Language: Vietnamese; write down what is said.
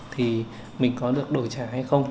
thì mình có được đổi trả hay không